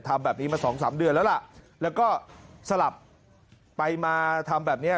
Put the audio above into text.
ทำแบบนี้มาสองสามเดือนแล้วล่ะแล้วก็สลับไปมาทำแบบเนี้ย